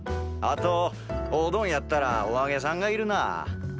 あとおうどんやったらおあげさんがいるなあ。